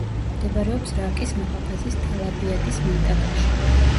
მდებარეობს რაკის მუჰაფაზის თელ-აბიადის მინტაკაში.